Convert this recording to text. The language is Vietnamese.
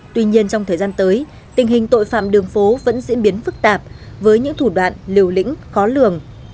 tuy nhiên trong thời gian tới tình hình tội phạm đường phố vẫn diễn biến phức tạp với những thủ đoạn liều lĩnh khó lường